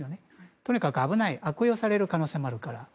とにかく危ない悪用される可能性もあるから。